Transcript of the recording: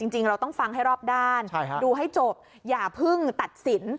จริงเราต้องฟังให้รอบด้านดูให้จบอย่าเพิ่งตัดสิน